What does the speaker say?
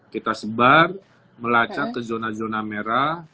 kita sebar melacak ke zona zona merah